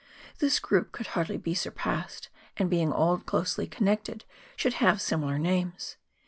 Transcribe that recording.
This group could hardly be surpassed, and being all closely connected, should have similar names.